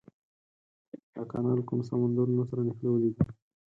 دا کانال کوم سمندرونه سره نښلولي دي؟